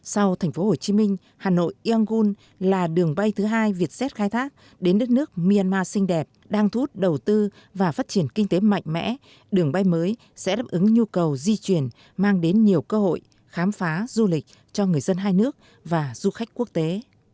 sau thành phố hồ chí minh hà nội yangun là đường bay thứ hai vietjet khai thác đến đất nước myanmar xinh đẹp đang thu hút đầu tư và phát triển kinh tế mạnh mẽ đường bay mới sẽ đáp ứng nhu cầu di chuyển mang đến nhiều cơ hội khám phá du lịch cho người dân hai nước và du khách quốc tế